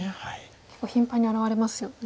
結構頻繁に現れますよね。